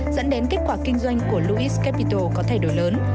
dẫn đến kết quả kinh doanh của louis capital có thay đổi lớn